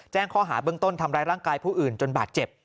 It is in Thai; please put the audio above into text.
แจ้งข้อหาเบื้องต้นทำร้ายร่างกายผู้อื่นจนบาดเจ็บ